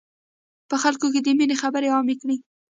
په خلکو د ميني خبري عامي کړی.